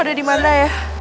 dia dimana ya